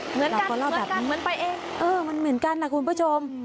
เหมือนกันเหมือนกันเหมือนไปเองเออมันเหมือนกันนะคุณผู้ชม